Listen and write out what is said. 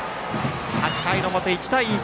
８回の表、１対１。